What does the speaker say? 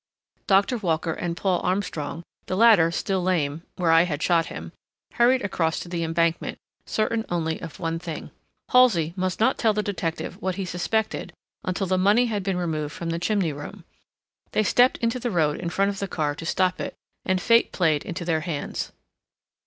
Doctor Walker and Paul Armstrong—the latter still lame where I had shot him—hurried across to the embankment, certain only of one thing. Halsey must not tell the detective what he suspected until the money had been removed from the chimney room. They stepped into the road in front of the car to stop it, and fate played into their hands.